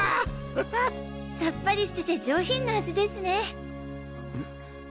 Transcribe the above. ハハッ！さっぱりしてて上品な味ですね！